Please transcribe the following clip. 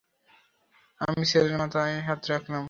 আমি ছেলের মাথায় হাত রাখলাম।